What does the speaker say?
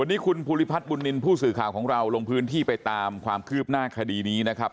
วันนี้คุณภูริพัฒน์บุญนินทร์ผู้สื่อข่าวของเราลงพื้นที่ไปตามความคืบหน้าคดีนี้นะครับ